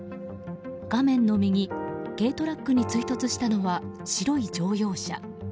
画面の右、軽トラックに追突したのは白い乗用車。